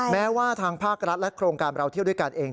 แม้ว่าทางภาครัฐและโครงการเราเที่ยวด้วยกันเอง